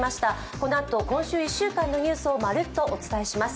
このあと今週１週間のニュースをまるっとお伝えします。